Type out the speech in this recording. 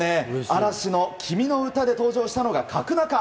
嵐の「君のうた」で登場したのが角中。